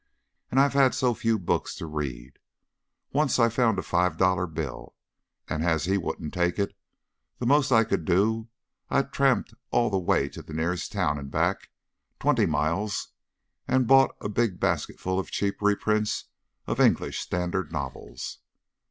And I've had so few books to read. Once I found a five dollar bill, and as he wouldn't take it the most I could do I tramped all the way to the nearest town and back, twenty miles, and bought a big basket full of cheap reprints of English standard novels.